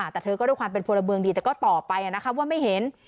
แต่เธอก็ด้วยความเป็นพลเมืองดีแต่ก็ตอบไปว่าไม่เห็น